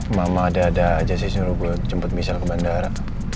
mama ada ada aja sisnya lo buat jemput misal ke bandara